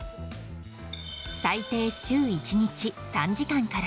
最低週１日３時間から。